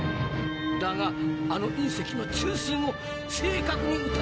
だがあの隕石の中心を正確に撃たにゃなんねえ。